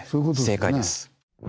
正解です。